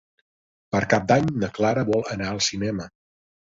Per Cap d'Any na Clara vol anar al cinema.